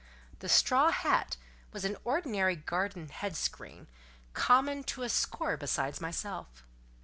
The straw hat was an ordinary garden head screen, common to a score besides myself.